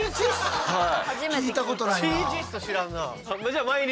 聞いたことないな。